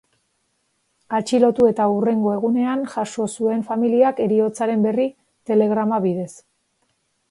Atxilotu eta hurrengo egunean jaso zuen familiak heriotzaren berri, telegrama bidez.